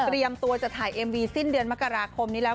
ตัวจะถ่ายเอ็มวีสิ้นเดือนมกราคมนี้แล้ว